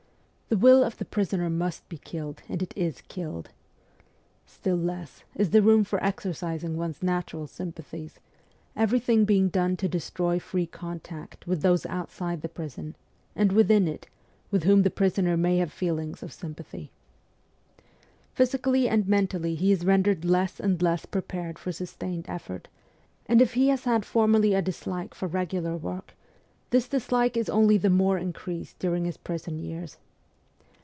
The will of the prisoner must be killed, and it is killed. Still less is there room for exercising one's natural sympathies, everything being done to destroy free contact with those outside the prison and within it with whom the prisoner may have feelings of sympathy. Physically and mentally he is rendered less and less prepared for sustained effort ; and if he has had formerly a dislike for regular work, this dislike is only the more increased during his prison years.